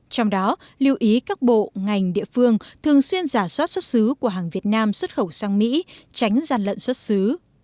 trong đó lưu ý các bộ ngành địa phương thường xuyên giả soát xuất xứ của hàng việt nam xuất khẩu sang mỹ tránh gian lận xuất xứ